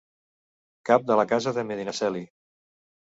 Cap de la Casa de Medinaceli.